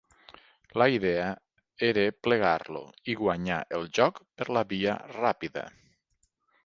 La idea era plegar-lo i guanyar el joc per la via ràpida.